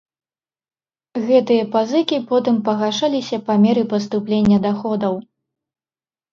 Гэтыя пазыкі потым пагашаліся па меры паступлення даходаў.